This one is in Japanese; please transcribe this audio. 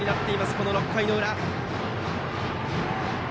この６回裏。